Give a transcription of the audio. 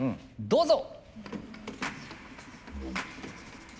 どうぞ！